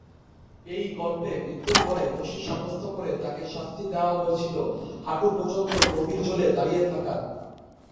এই গল্পে, মৃত্যুর পরে, দোষী সাব্যস্ত করে তাঁকে শাস্তি দেওয়া হয়েছিল হাঁটু পর্যন্ত গভীর জলে দাঁড়িয়ে থাকার।